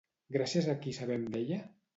Gràcies a qui sabem d'ella?